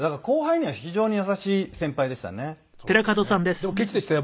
でもケチでしたよ